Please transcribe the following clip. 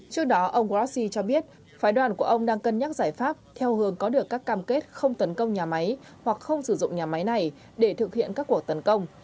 trước đó ông grassi cho biết phái đoàn của ông đang cân nhắc giải pháp theo hướng có được các cam kết không tấn công nhà máy hoặc không sử dụng nhà máy này để thực hiện các cuộc tấn công